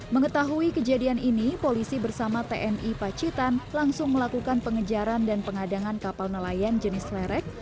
mengetahui kejadian ini polisi bersama tni pacitan langsung melakukan pengejaran dan pengadangan kapal nelayan jenis lerek